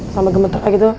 sama gemetar aja gitu